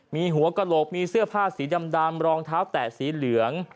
มีหัวกระโหลกมีเสื้อผ้าสีดำรองเท้าแตะสีเหลือง